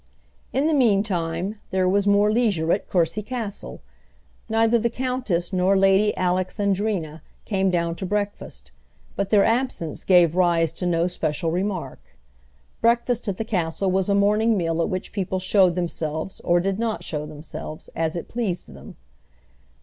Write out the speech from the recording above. In the meantime there was more leisure at Courcy Castle. Neither the countess nor Lady Alexandrina came down to breakfast, but their absence gave rise to no special remark. Breakfast at the castle was a morning meal at which people showed themselves, or did not show themselves, as it pleased them.